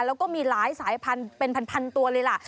แล้วก็มีหลายสายพันธุ์เป็นพันตัวเลยล่ะ